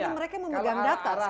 karena mereka memegang data sekarang